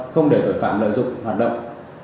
không để tội phạm lợi dụng hoạt động